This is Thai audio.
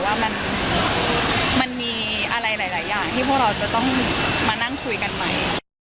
ว่ามันมีอะไรหลายอย่างที่พวกเราจะต้องมานั่งคุยกันใหม่